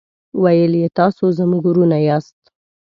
ویل یې تاسو زموږ ورونه یاست.